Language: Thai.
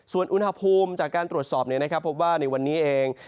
ส่วนอุณหภูมิจากการตรวจสอบพบว่าในวันนี้เอง